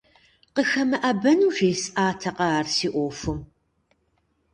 КъыхэмыӀэбэну жесӀатэкъэ ар си Ӏуэхум?